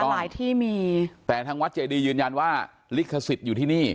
หลายที่มีแต่ทางวัดเจดียืนยันว่าลิขสิทธิ์อยู่ที่นี่